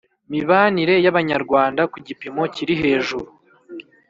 mibanire y Abanyarwanda ku gipimo kiri hejuru